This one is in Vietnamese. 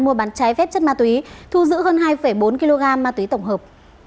mua bán trái phép chất ma túy thu giữ hơn hai bốn kg ma túy tổng hợp